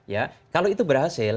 kalau itu berhasil